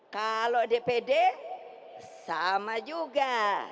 kalau dpd sama juga